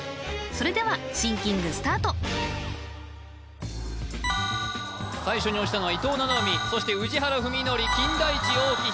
それではシンキングスタート最初に押したのは伊藤七海そして宇治原史規金田一央紀